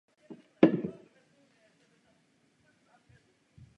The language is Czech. Jeho otec mu zpočátku pomáhal a zásoboval ho moderními stroji z Čech.